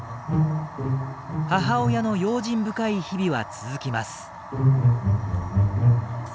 母親の用心深い日々は続きます。